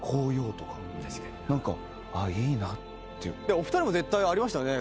お二人も絶対ありましたよね？